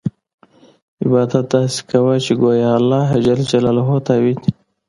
عبادت داسې کوه چې ګویا اللهﷻ تا ویني.